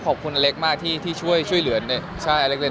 ขอบคุณอเล็กซ์มากที่ช่วยเหลือช่วยอเล็กซ์เรนเดล